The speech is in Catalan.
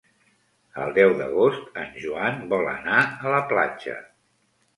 El deu d'agost en Joan vol anar a la platja.